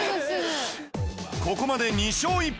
ここまで２勝１敗